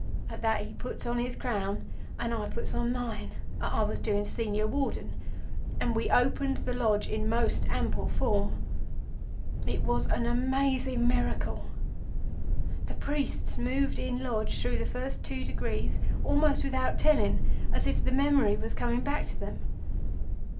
At that he puts on his crown and I puts on mine—I was doing Senior Warden—and we opens the Lodge in most ample form. It was a amazing miracle! The priests moved in Lodge through the first two degrees almost without telling, as if the memory was coming back to them.